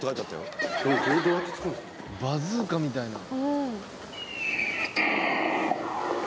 バズーカみたいな。